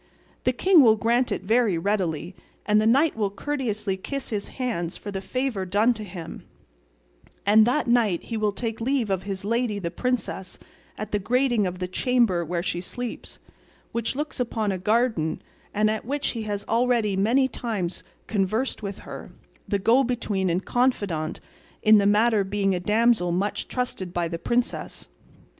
The king will grant it very readily, and the knight will courteously kiss his hands for the favour done to him; and that night he will take leave of his lady the princess at the grating of the chamber where she sleeps, which looks upon a garden, and at which he has already many times conversed with her, the go between and confidante in the matter being a damsel much trusted by the princess.